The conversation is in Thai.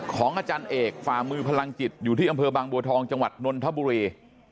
ของอาจารย์เอกฝ่ามือพลังจิตอยู่ที่อำเภอบางบัวทองจังหวัดนนทบุรี